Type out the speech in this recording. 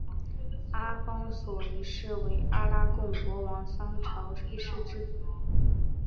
阿方索一世为阿拉贡国王桑乔一世之子。